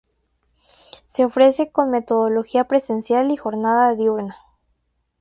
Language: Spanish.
Se ofrece con metodología presencial y jornada diurna.